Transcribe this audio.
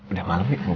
udah malem spacious